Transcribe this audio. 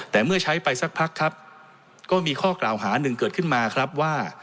แต่เมื่อใช้ไปสักพักครับก็มีข้อกล่าวหาหนึ่งเกิดขึ้นมาครับว่า